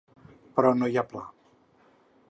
Però no hi ha pla.